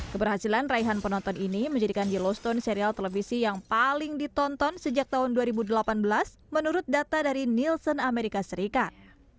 keberhasilan raihan penonton ini menjadikan yellowstone serial televisi yang paling ditonton sejak tahun dua ribu delapan belas menurut data dari nielsen amerika serikat